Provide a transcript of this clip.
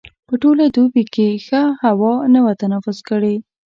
په ټوله دوبي کې ښه هوا نه وه تنفس کړې.